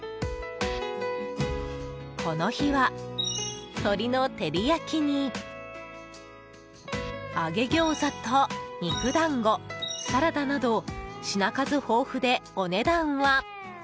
この日は、鶏の照り焼きに揚げギョーザと肉団子サラダなど品数豊富でお値段は。